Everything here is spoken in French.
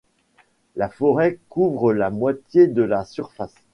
La forêt couvre la moitié de la surface.